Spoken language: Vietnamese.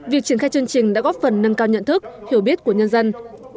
việc triển khai chương trình đã góp phần nâng cao nhận thức hiểu biết của nhân dân